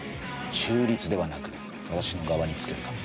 中立ではなく私の側につけるか？